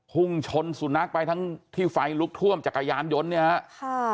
พุ่งชนสุนัขไปทั้งที่ไฟลุกท่วมจักรยานยนต์เนี่ยฮะค่ะ